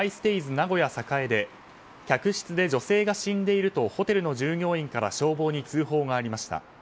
名古屋栄で客室で女性が死んでいるとホテルの従業員から消防に通報がありました。